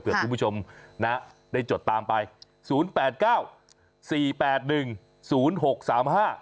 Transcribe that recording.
เพื่อคุณผู้ชมนะได้จดตามไปศูนย์แปดเก้าสี่แปดหนึ่งศูนย์หกสามห้า